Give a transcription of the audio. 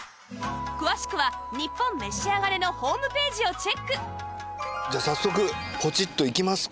詳しくは『ニッポンめしあがれ』のホームページをチェックじゃあ早速ポチッといきますか。